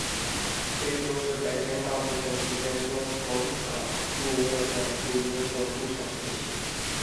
非洲狮白天大部分时间都横躺竖卧在树荫下或树上休息。